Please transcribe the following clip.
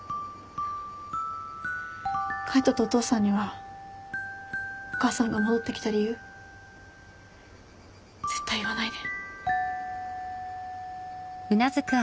海斗とお父さんにはお母さんが戻ってきた理由絶対言わないで。